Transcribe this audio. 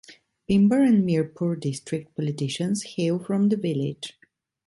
Bhimber and Mirpur district politicians hail from the village.